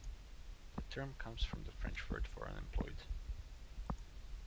The term comes from the French word for "unemployed".